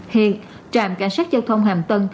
hiện trạm cảnh sát giao thông hàm tân